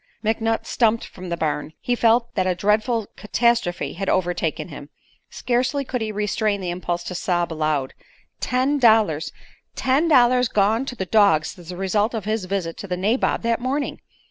McNutt stumped from the barn. He felt that a dreadful catastrophe had overtaken him. Scarcely could he restrain the impulse to sob aloud. Ten dollars! Ten dollars gone to the dogs as the result of his visit to the nabob that morning!